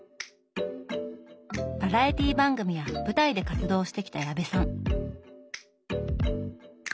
バラエティー番組や舞台で活動してきた矢部さん。